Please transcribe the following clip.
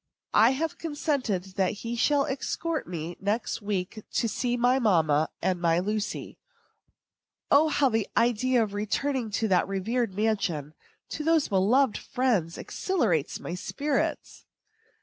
I have consented that he shall escort me next week to see my mamma and my Lucy. O, how the idea of returning to that revered mansion, to those beloved friends, exhilarates my spirits!